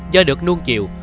do được nuôn chiều